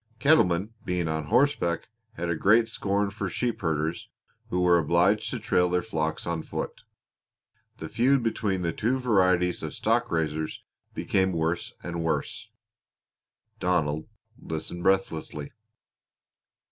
Cattlemen, being on horseback, had a great scorn for sheep herders, who were obliged to trail their flocks on foot. The feud between the two varieties of stock raisers became worse and worse." Donald listened breathlessly.